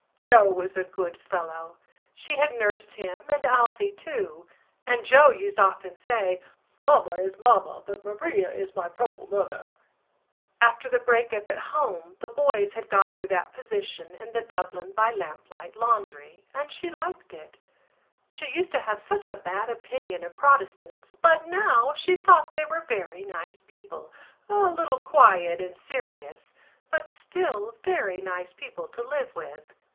Joe was a good fellow. She had nursed him and Alphy too; and Joe used often say: "Mamma is mamma but Maria is my proper mother." After the break up at home the boys had got her that position in the Dublin by Lamplight laundry, and she liked it. She used to have such a bad opinion of Protestants but now she thought they were very nice people, a little quiet and serious, but still very nice people to live with.